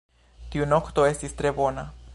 Tiu nokto estis tre bona